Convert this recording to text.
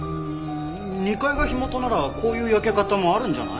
２階が火元ならこういう焼け方もあるんじゃない？